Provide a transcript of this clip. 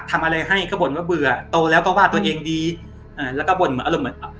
ทำอะไรให้ก็บ่นว่าเบื่อโตแล้วก็ว่าตัวเองดีอ่าแล้วก็บ่นเหมือนอารมณ์เหมือน